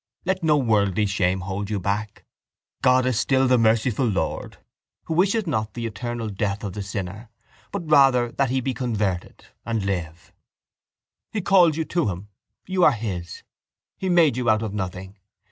Let no worldly shame hold you back. God is still the merciful Lord who wishes not the eternal death of the sinner but rather that he be converted and live. —He calls you to Him. You are His. He made you out of nothing.